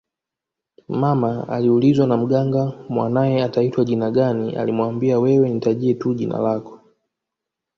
Mama aliulizwa na Mganga mwanae ataitwa jina gani alimuambia wewe nitajie tu jina lako